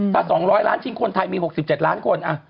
ถ้า๒๐๐ล้านชิ้นคนไทยมี๖๗ล้านคน